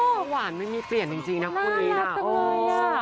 อ่อฮ่าวานไม่มีเปลี่ยนจริงนะคุณอีแล้วน่ารักจังเลยอะ